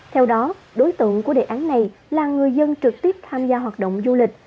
theo đó đối tượng của đề án này là người dân trực tiếp tham gia hoạt động du lịch